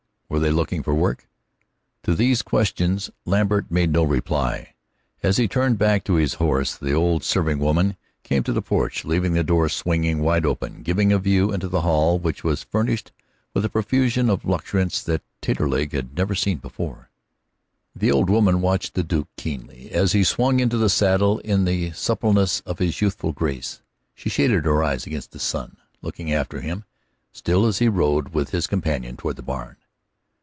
Were they looking for work? To these questions Lambert made no reply. As he turned back to his horse the old serving woman came to the porch, leaving the door swinging wide, giving a view into the hall, which was furnished with a profusion and luxuriance that Taterleg never had seen before. The old woman watched the Duke keenly as he swung into the saddle in the suppleness of his youthful grace. She shaded her eyes against the sun, looking after him still as he rode with his companion toward the barn.